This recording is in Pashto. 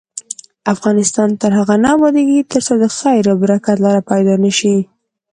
افغانستان تر هغو نه ابادیږي، ترڅو د خیر او برکت لاره پیدا نشي.